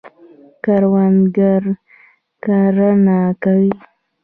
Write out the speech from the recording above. کروندګر کرنه کوي.